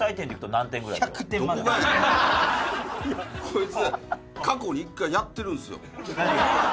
こいつ過去に１回やってるんですよ。